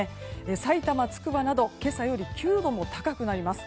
さいたま、つくばなど今朝より９度も高くなります。